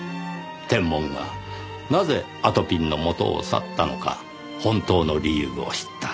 テンモンがなぜあとぴんの元を去ったのか本当の理由を知った。